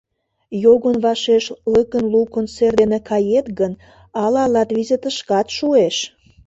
— Йогын вашеш лыкын-лукын сер дене кает гын, ала латвизытышкат шуэш...